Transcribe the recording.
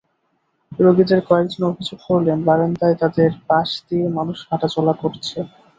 রোগীদের কয়েকজন অভিযোগ করেন, বারান্দায় তাঁদের পাশ দিয়ে মানুষ হাঁটাচলা করছে।